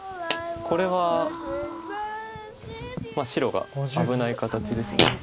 これは白が危ない形です。